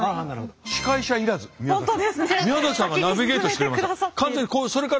宮崎さんがナビゲートしてくれました。